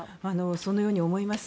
そのように思います。